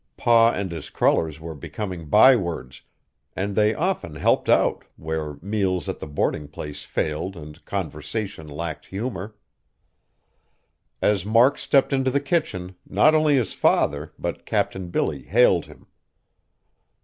Pa and his crullers were becoming bywords, and they often helped out, where meals at the boarding place failed and conversation lacked humor. As Mark stepped into the kitchen, not only his father, but Captain Billy hailed him.